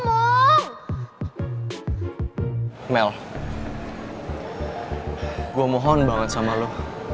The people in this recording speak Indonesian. mel gue mohon banget sama lo setelah ini lo harus berhenti ngejar dua lo